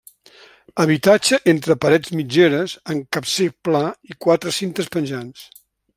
Habitatge entre parets mitgeres amb capcer pla i quatre cintes penjants.